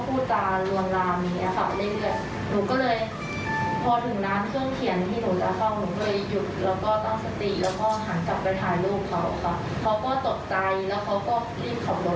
เขาก็ตกใจแล้วเขารีบเขารถหนีไป